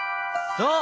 そう！